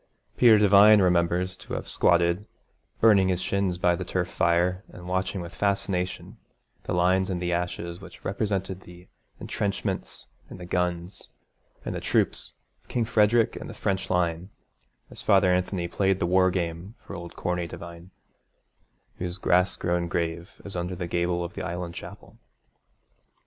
Peter Devine remembers to have squatted, burning his shins by the turf fire, and watching with fascination the lines in the ashes which represented the entrenchments and the guns, and the troops of King Frederick and the French line, as Father Anthony played the war game for old Corney Devine, whose grass grown grave is under the gable of the Island Chapel.